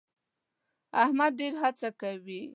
احمد ډېر هڅه کوي.